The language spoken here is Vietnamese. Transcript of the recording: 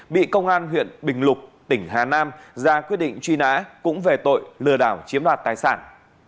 bị công an huyện bình lục tỉnh hà nam ra quyết định truy nã cũng về tội lừa đảo chiếm đoạt tài sản